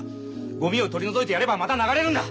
ゴミを取り除いてやればまた流れるんだ！